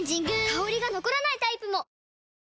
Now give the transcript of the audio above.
香りが残らないタイプも！